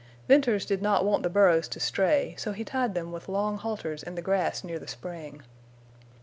Venters did not want the burros to stray, so he tied them with long halters in the grass near the spring.